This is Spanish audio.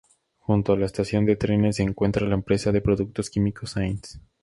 Junto a la estación de trenes se encuentra la empresa de productos químicos Saenz.